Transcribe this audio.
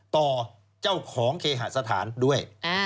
ต่อเจ้าของเคหสถานด้วย